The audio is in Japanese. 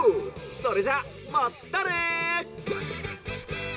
それじゃあまたね」。